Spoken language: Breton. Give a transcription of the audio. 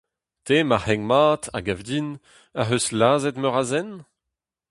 Te, marc'heg mat, a gav din, ac'h eus lazhet meur a zen ?